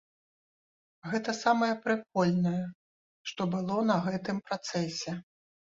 Гэта самае прыкольнае, што было на гэтым працэсе.